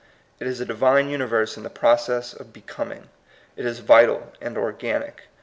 It is a Divine universe in the process of becoming ; it is vital and organic.